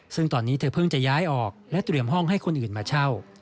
ซึ่งตอนนี้เธอเพิ่งจะย้ายออกและเตรียมห้องให้คนอื่นมาเช่า